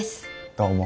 どうも。